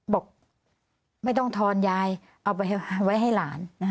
บอกไม่ต้องทอนยายเอาไปไว้ให้หลาน